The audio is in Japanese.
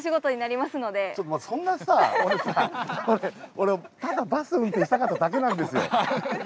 俺ただバス運転したかっただけなんですよ。